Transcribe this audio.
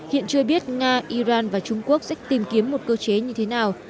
hiện chưa biết nga iran và trung quốc sẽ tìm kiếm một cơ chế như thế nào